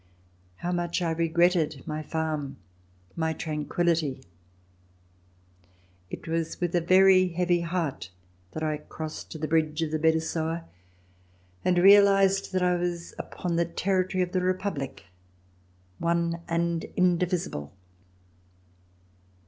How much I regretted my farm, my tranquillity! It was with a very heavy heart that I crossed the bridge of the Bidassoa and realized that I was upon the territory of the Republic "one and indivisible."